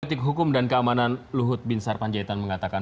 ketik hukum dan keamanan luhut bin sarpanjaitan mengatakan